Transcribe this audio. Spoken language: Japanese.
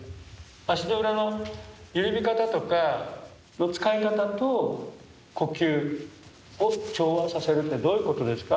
足の裏の緩み方とか使い方と呼吸を調和させるってどういうことですか？